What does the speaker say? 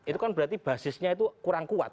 itu kan berarti basisnya itu kurang kuat